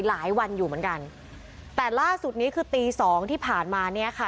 หลายวันอยู่เหมือนกันแต่ล่าสุดนี้คือตีสองที่ผ่านมาเนี้ยค่ะ